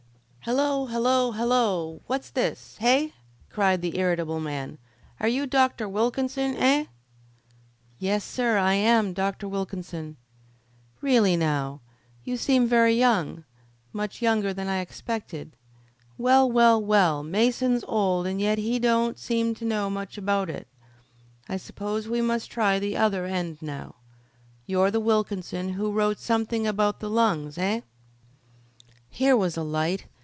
"Hullo! hullo! hullo! What's this heh?" cried the irritable man. "Are you Dr. Wilkinson? Eh?" "Yes, sir, I am Dr. Wilkinson." "Really, now. You seem very young much younger than I expected. Well, well, well, Mason's old, and yet he don't seem to know much about it. I suppose we must try the other end now. You're the Wilkinson who wrote something about the lungs? Heh?" Here was a light!